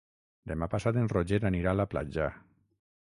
Demà passat en Roger anirà a la platja.